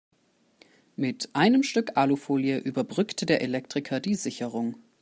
Mit einem Stück Alufolie überbrückte der Elektriker die Sicherung.